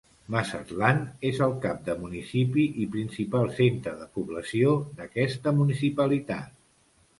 Mazatlán és el cap de municipi i principal centre de població d'aquesta municipalitat.